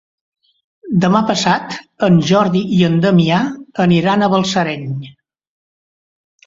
Demà passat en Jordi i en Damià aniran a Balsareny.